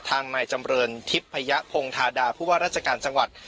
ทางนายจำเรินทิพยพงธาดาผู้ว่าราชการจังหวัด